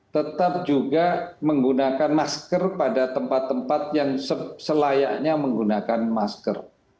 tetap juga menggunakan masker pada tempat tempat yang selayaknya menggunakan masker